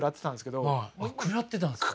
食らってたんですか？